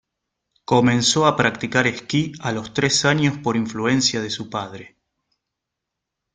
Comenzó a practicar esquí a los tres años por influencia de su padre.